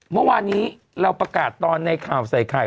เมื่อวานนี้เราประกาศตอนในข่าวใส่ไข่